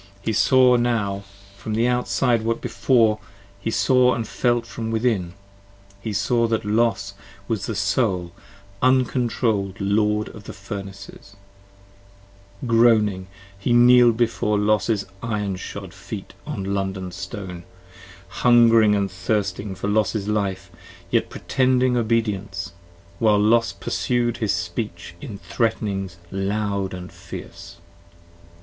25 He saw now from the outside what he before saw & felt from within, He saw that Los was the sole, uncontroll'd Lord of the Furnaces, Groaning he kneel'd before Los's iron shod feet on London Stone, Hung'ring & thirsting for Los's life yet pretending obedience, While Los pursu'd his speech in threat'nings loud & fierce.